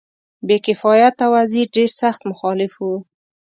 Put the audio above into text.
بې کفایته وزیر ډېر سخت مخالف وو.